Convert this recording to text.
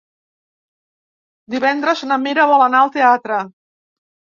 Divendres na Mira vol anar al teatre.